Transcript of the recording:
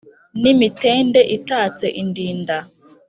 ni imitende itatse indinda.